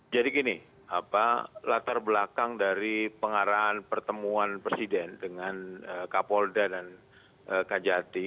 jadi gini latar belakang dari pengarahan pertemuan presiden dengan kapolda dan kajati